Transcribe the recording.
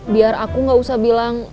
biar aku gak usah bilang